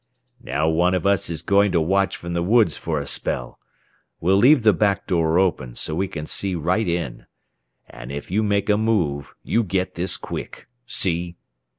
"Now one of us is going to watch from the woods for a spell we'll leave the back door open, so we can see right in and if you make a move, you get this quick! See?"